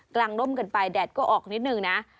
ร่มกันไปแดดก็ออกนิดนึงนะ